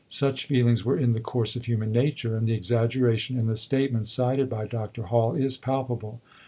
Such feelings were in the course of human nature, and the exaggeration in the statements cited by Dr. Hall is palpable.